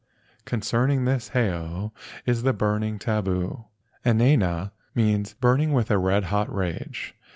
("Concerning this heiau is the burning tabu.") "Enaena" means "burning with a red hot rage."